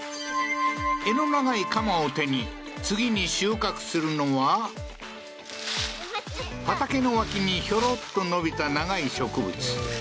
柄の長い鎌を手に次に収穫するのは畑の脇にひょろっと伸びた長い植物。